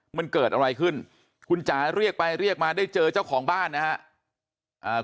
มันเกิดอะไรขึ้นคุณจ๋าเรียกไปเรียกมาได้เจอเจ้าของบ้านนะครับ